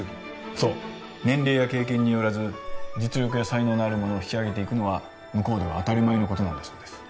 そう年齢や経験によらず実力や才能のある者を引き上げていくのは向こうでは当たり前のことなんだそうです